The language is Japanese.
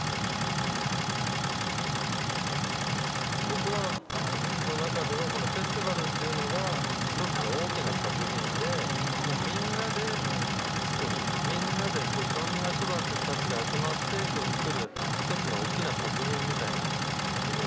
僕らの中ではこのフェスティバルというのが一つの大きな作品でもうみんなで作るみんなでいろんな人たちが集まって作る一つのおっきな作品みたいなイメージなんですよね。